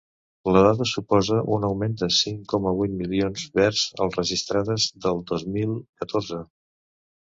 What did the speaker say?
La dada suposa un augment de cinc coma vuit milions vers el registrades del dos mil catorze.